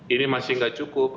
ini masih tidak cukup